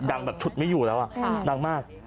ดังแบบฉุดไม่อยู่แล้วดังมาก